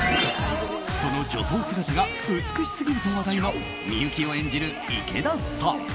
その女装姿が美しすぎると話題のみゆきを演じる池田さん。